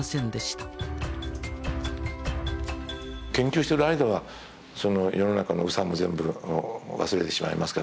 研究している間は世の中の憂さも全部忘れてしまいますから。